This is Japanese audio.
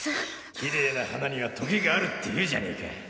きれいな花にはトゲがあるって言うじゃね